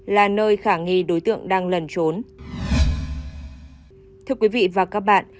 là nơi khả nghi đối tượng đang lần trốn